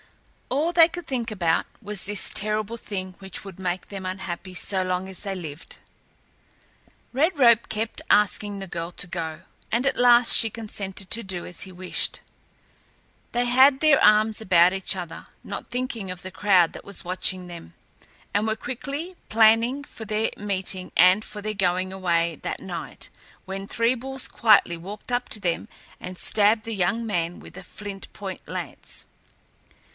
All they could think about was this terrible thing, which would make them unhappy so long as they lived. Red Robe kept asking the girl to go, and at last she consented to do as he wished. They had their arms about each other, not thinking of the crowd that was watching them, and were quickly planning for their meeting and for their going away that night, when Three Bulls quietly walked up to them and stabbed the young man with a flint pointed lance.